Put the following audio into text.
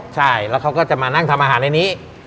ใช่แล้วเขาก็จะมานั่งทำอาหารในนี้